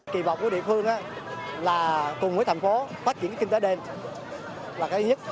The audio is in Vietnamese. kỳ vọng của địa phương là cùng với thành phố phát triển kinh tế đêm là cái nhất